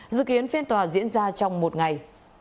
dự kiến phiên tòa diễn ra trong một ngày